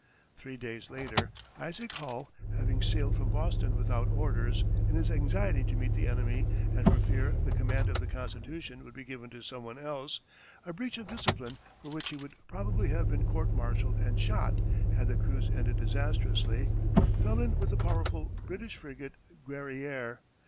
Three days later, Isaac Hull, having sailed from Boston without orders, in his anxiety to meet the enemy and for fear the command of the Constitution would be given to some one else a breach of discipline for which he would probably have been court martialled and shot, had the cruise ended disastrously fell in with the powerful British frigate Guerrière.